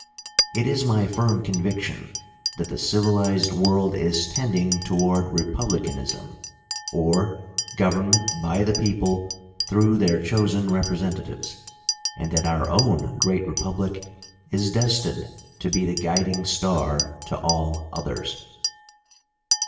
It is my firm conviction that the civilized world is tending toward republicanism, or government by the people through their chosen representatives, and that our own great Republic is destined to be the guiding star to all others.